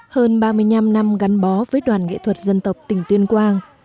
hơn ba mươi năm năm gắn bó với đoàn nghệ thuật dân tộc tỉnh tuyên quang